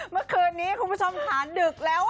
เมื่อคืนนี้คุณผู้ชมค่ะดึกแล้ว